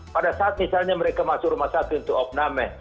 pada saat misalnya mereka masuk rumah sakit untuk opname